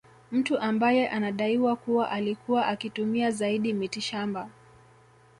Mtu ambaye anadaiwa kuwa alikuwa akitumia zaidi mitishamba